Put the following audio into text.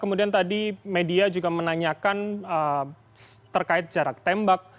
kemudian tadi media juga menanyakan terkait jarak tembak